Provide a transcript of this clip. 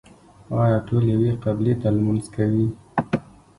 آیا ټول یوې قبلې ته لمونځ کوي؟